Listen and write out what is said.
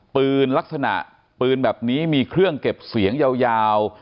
ปืนลักษณะปืนแบบนี้มีเครื่องเก็บเสียงยาว